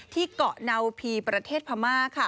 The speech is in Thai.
ที่เกาะเนาพีประเทศพม่า